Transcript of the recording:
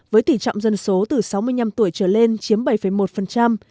với tỷ trọng dân số từ sáu mươi năm tuổi trở lên chiếm bảy một